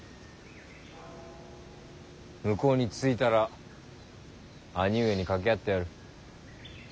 向こうに着いたら兄上に掛け合ってやる。